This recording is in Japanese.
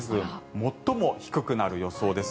最も低くなる予想です。